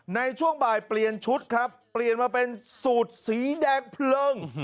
ในช่วงบ่ายเปลี่ยนชุดครับเปลี่ยนมาเป็นสูตรสีแดงเพลิง